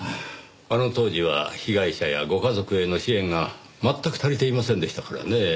あの当時は被害者やご家族への支援が全く足りていませんでしたからねぇ。